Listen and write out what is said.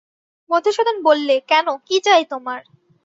মধুসূদন বললে, কেন, কী চাই তোমার?